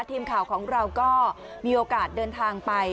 ทีมข่าวของเราก็มีโอกาสเดินทางไป